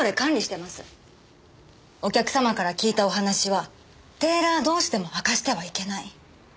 お客様から聞いたお話はテーラー同士でも明かしてはいけない。